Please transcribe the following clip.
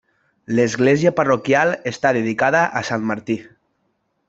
L'església parroquial està dedicada a Sant Martí.